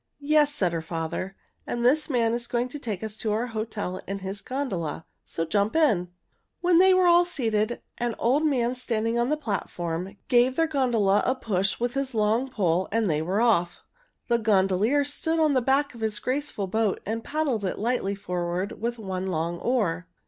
"Yes," said her father, "and this man is going to take us to our hotel in his gondola. So jump in!" When they were all seated, an old man standing on the platform gave their gondola a push with his long pole and they were off. The gondolier stood in the back of his graceful boat and paddled it lightly forward with one long oar.